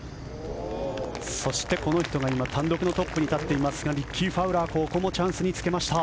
そして、この人が今単独のトップに立っていますがリッキー・ファウラーここもチャンスにつけました。